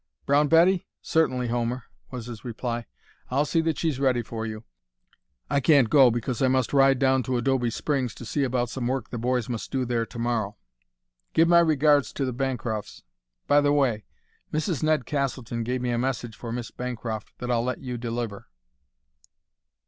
"Brown Betty? Certainly, Homer," was his reply. "I'll see that she's ready for you. I can't go because I must ride down to Adobe Springs to see about some work the boys must do there to morrow. Give my regards to the Bancrofts. By the way, Mrs. Ned Castleton gave me a message for Miss Bancroft that I'll let you deliver."